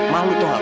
malu tau gak